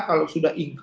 kalau sudah dianggap